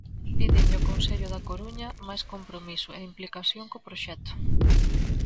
Pídenlle ao concello da Coruña máis compromiso e implicación co proxecto.